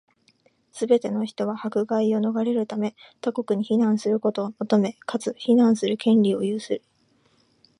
すべて人は、迫害を免れるため、他国に避難することを求め、かつ、避難する権利を有する。